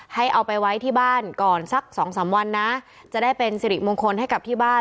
เอาไปไว้ที่บ้านก่อนสักสองสามวันนะจะได้เป็นสิริมงคลให้กับที่บ้าน